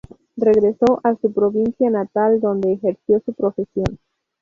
Regresó a su provincia natal, donde ejerció su profesión.